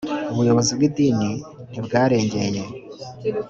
Ubuyobozi bw idini ntibwarengeye